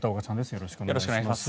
よろしくお願いします。